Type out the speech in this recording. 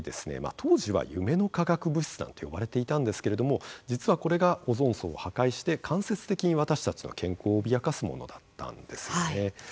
当時は夢の化学物質なんて呼ばれていたんですけれども実はこれがオゾン層を破壊して間接的に私たちの健康を脅かすものだったんですね。